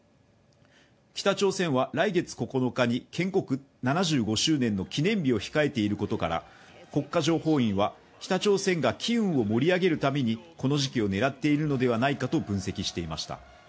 北朝鮮は来月９日に建国７５周年の記念日を控えていることから、国家情報院は北朝鮮が気運を盛り上げるためにこの時期を狙っているのではないかと分析していました。